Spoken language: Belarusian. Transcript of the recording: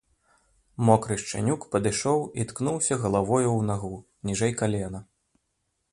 Мокры шчанюк падышоў і ткнуўся галавою ў нагу, ніжэй калена.